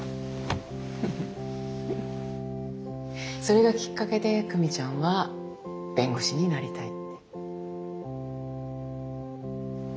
それがきっかけで久美ちゃんは弁護士になりたいって。